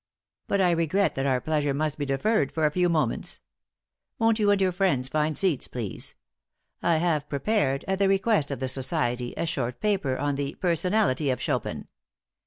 But I regret that our pleasure must be deferred for a few moments. Won't you and your friends find seats, please? I have prepared at the request of the society a short paper on 'The Personality of Chopin.